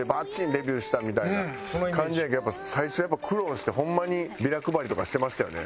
デビューしたみたいな感じやけど最初やっぱ苦労してホンマにビラ配りとかしてましたよね？